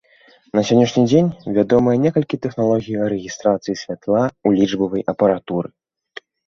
На сённяшні дзень вядомыя некалькі тэхналогій рэгістрацыі святла ў лічбавай апаратуры.